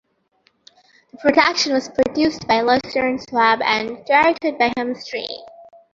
The production was produced by Laurence Schwab and directed by Hammerstein.